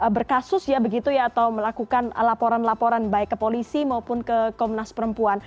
berkasus ya begitu ya atau melakukan laporan laporan baik ke polisi maupun ke komnas perempuan